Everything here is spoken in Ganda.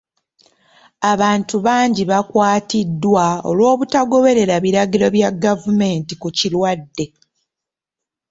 Abantu bangi bakwatiddwa olw'obutagoberera biragiro bya gavumenti ku kirwadde.